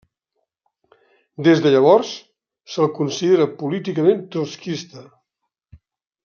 Des de llavors, se'l considera políticament trotskista.